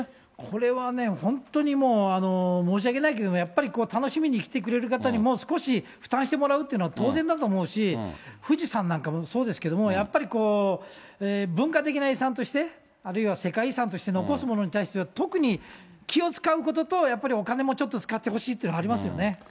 これはね、本当にもう、申し訳ないですけども、やっぱり楽しみに来てくれる方にも、少し負担してもらうというのは当然だと思うし、富士山なんかもそうですけども、やっぱり文化的な遺産として、あるいは世界遺産として残すものに対しては、特に気を遣うことと、やっぱりお金もちょっと使ってほしいっていうのもありますよね。